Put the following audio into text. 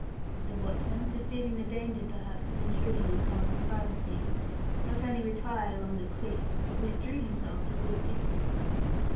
The watchman, perceiving the danger perhaps of intruding on Carver's privacy, not only retired along the cliff, but withdrew himself to good distance.